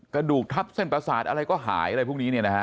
กระดูกทับเส้นประสาทอะไรก็หายอะไรพวกนี้เนี่ยนะฮะ